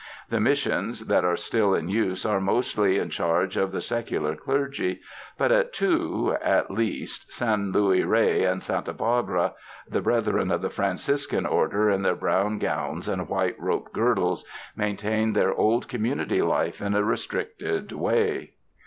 The Mis sions that are still in use are mostly in charge of the secular clergy, but at two, at least, San Luis Rey and Santa Barbara, the brethren of the Franciscan Order in their brown gowns and white rope girdles, maintain their old community life in a restricted way.